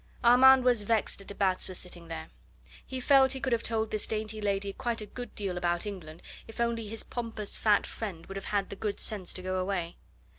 Armand was vexed that de Batz was sitting there. He felt he could have told this dainty little lady quite a good deal about England if only his pompous, fat friend would have had the good sense to go away.